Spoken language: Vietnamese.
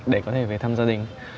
để có thể về thăm gia đình